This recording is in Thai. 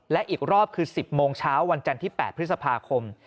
และอีกรอบคือ๑๐โมงเช้าวันจันทร์ที่๘พฤษภาคม